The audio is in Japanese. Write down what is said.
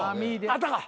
あったか？